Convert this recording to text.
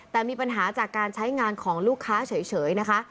แต่มีปัญหาจากการใช้งานของลูกค้าเฉยนะคะ